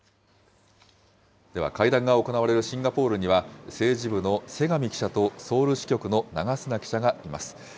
では、会談が行われるシンガポールには、政治部の瀬上記者と、ソウル支局の長砂記者がいます。